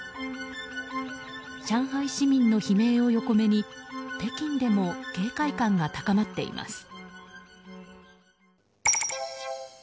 上海市民の悲鳴を横目に北京でも警戒感が高まっています。